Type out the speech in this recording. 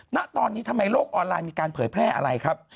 ณตอนนี้ทำไมโลกออนไลน์มีการเผยแพร่อะไรครับ